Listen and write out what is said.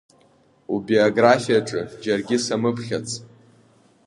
Убиографиаҿы џьаргьы самыԥхьац…